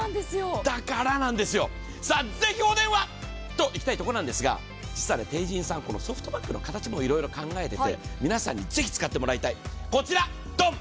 だからなんですよ、ぜひお電話といきたいところなんですが、実はＴＥＩＪＩＮさん、このソフトパックの形も考えていて、皆さんにぜひ使ってもらいたい。